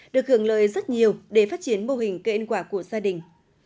được hưởng lợi rất nhiều để phát triển mô hình cây ăn quả của gia đình